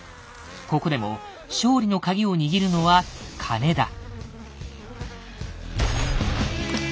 ここでも勝利の鍵を握るのは金だ。